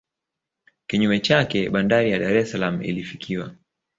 Kinyume chake bandari ya Dar es Salaam ilifikiwa